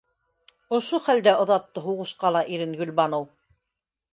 Ошо хәлдә оҙатты һуғышҡа ла ирен Гөлбаныу.